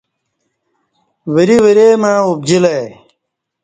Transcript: وری ورے مع اُبجی لہ ای